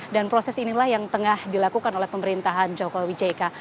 dan proses inilah yang tengah dilakukan oleh pemerintahan joko wijeka